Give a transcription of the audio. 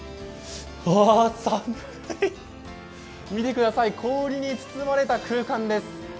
ああ寒い、見てください氷に包まれた空間です。